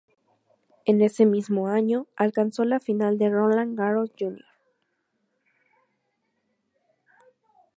En ese mismo año alcanzó la final de Roland Garros junior.